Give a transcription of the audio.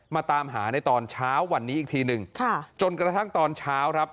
มาตามหาในตอนเช้าวันนี้อีกทีหนึ่งค่ะจนกระทั่งตอนเช้าครับ